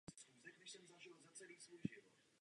Mnozí přítomní poslanci se návštěv také účastnili.